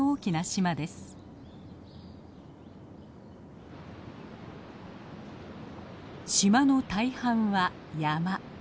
島の大半は山。